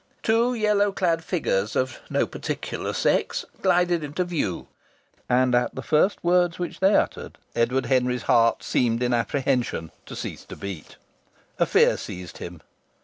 Two yellow clad figures of no particular sex glided into view, and at the first words which they uttered Edward Henry's heart seemed in apprehension to cease to beat. A fear seized him.